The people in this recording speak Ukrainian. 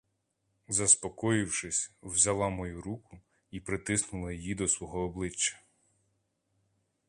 Заспокоївшись, взяла мою руку і притиснула її до свого обличчя.